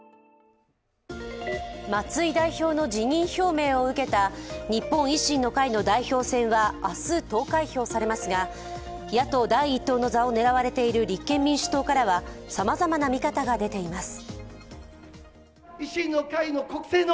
松井代表の辞任表明を受けた日本維新の会の代表選は明日、投開票されますが野党第１党の座を狙われている立憲民主党からは、さまざまな見方が出ています。